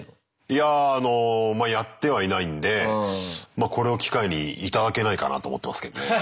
いやあのまあやってはいないんで。これを機会に頂けないかなと思ってますけどね。